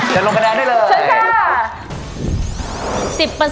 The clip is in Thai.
เชิญลงคะแนนได้เลย